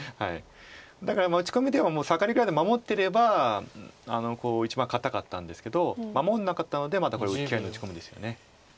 だから打ち込みでもサガリぐらいで守ってれば一番堅かったんですけど守んなかったのでまたこれ気合いの打ち込みですよね。